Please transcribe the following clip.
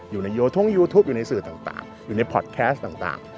อยู่ในโยทุ่มยูทูปอยู่ในสื่อต่างอยู่ในพอดแคสต่าง